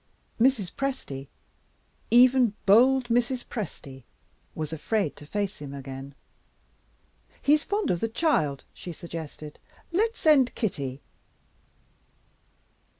Mrs. Presty even bold Mrs. Presty was afraid to face him again. "He's fond of the child," she suggested; "let's send Kitty."